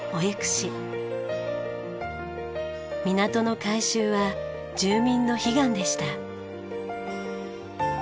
港の改修は住民の悲願でした。